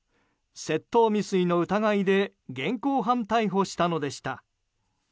窃盗未遂の疑いで現行犯逮捕したのでした。